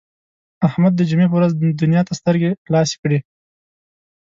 احمد د جمعې په ورځ دنیا ته سترګې خلاصې کړې.